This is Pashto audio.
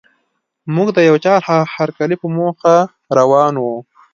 موږ د یوه چا هرکلي په موخه روان وو.